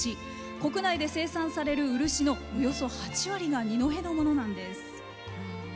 国内で生産される漆のおよそ８割が二戸のものなんです。